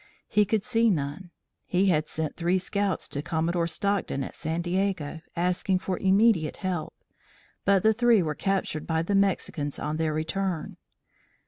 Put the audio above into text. He could see none. He had sent three scouts to Commodore Stockton at San Diego, asking for immediate help, but the three were captured by the Mexicans on their return.